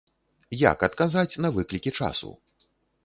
Як адказаць на выклікі часу?